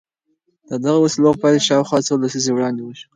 د دغو وسيلو پيل شاوخوا څو لسيزې وړاندې وشو.